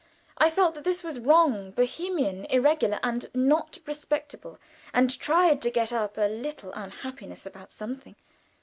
I felt that this was wrong bohemian, irregular, and not respectable, and tried to get up a little unhappiness about something.